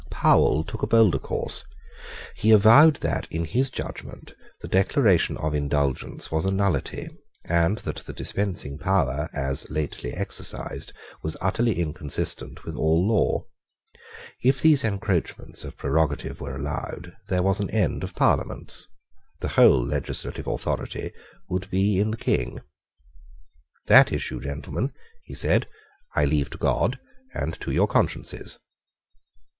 Powell took a bolder course. He avowed that, in his judgment, the Declaration of Indulgence was a nullity, and that the dispensing power, as lately exercised, was utterly inconsistent with all law. If these encroachments of prerogative were allowed, there was an end of Parliaments. The whole legislative authority would be in the King. "That issue, gentlemen," he said, "I leave to God and to your consciences."